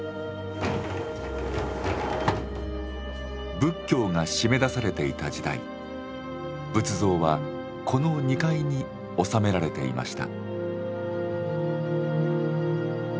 仏教が締め出されていた時代仏像はこの２階に収められていました。